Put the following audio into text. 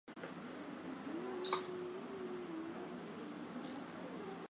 jumuiya ya mataifa ilipambana dhidi ya wahalifu wa mauaji ya kimbari